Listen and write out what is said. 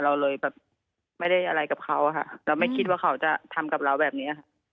เราเลยแบบไม่ได้อะไรกับเขาค่ะเราไม่คิดว่าเขาจะทำกับเราแบบนี้ค่ะ